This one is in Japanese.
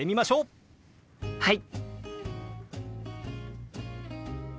はい！